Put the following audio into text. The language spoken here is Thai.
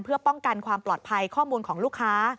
เพื่อป้องกันความปลอดภัยข้อมูลของลูกค้า